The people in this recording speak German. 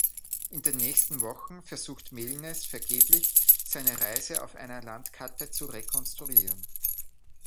In den nächsten Wochen versucht Meaulnes vergeblich, seine Reise auf einer Landkarte zu rekonstruieren.